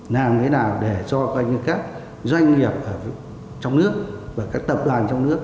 làm cái nào để cho các doanh nghiệp trong nước và các tập đoàn trong nước